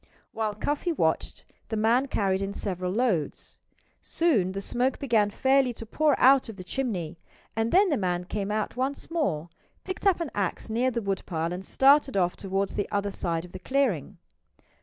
While Cuffy watched, the man carried in several loads. Soon the smoke began fairly to pour out of the chimney; and then the man came out once more, picked up an axe near the woodpile, and started off toward the other side of the clearing.